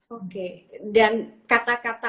oke dan kata kata